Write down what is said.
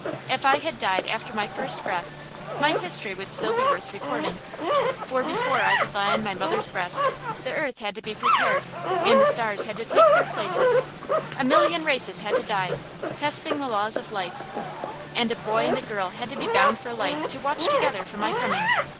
If I had died after my first breath, my history would still be worth recording. For before I could lie on my mother's breast, the earth had to be prepared, and the stars had to take their places; a million races had to die, testing the laws of life; and a boy and girl had to be bound for life to watch together for my coming.